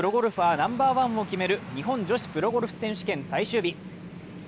ナンバーワンを決める日本女子プロゴルフ選手権最終日。